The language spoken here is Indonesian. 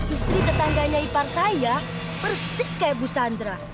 istri tetangganya ipar saya persis kayak bu sandra